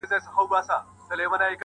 صبر کوه خدای به درکړي.!